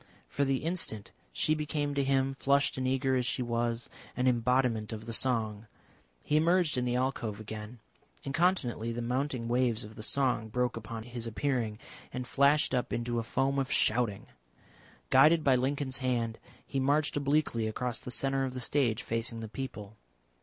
For the instant she became to him, flushed and eager as she was, an embodiment of the song. He emerged in the alcove again. Incontinently the mounting waves of the song broke upon his appearing, and flashed up into a foam of shouting. Guided by Lincoln's hand he marched obliquely across the centre of the stage facing the people.